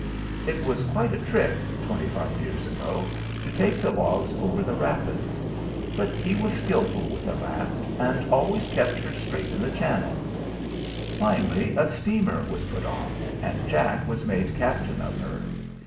It was quite a trick, twenty five years ago, to take the logs over the rapids; but he was skilful with a raft, and always kept her straight in the channel. Finally a steamer was put on, and Jack was made captain of her.